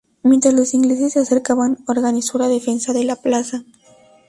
Mientras los ingleses se acercaban, organizó la defensa de la plaza.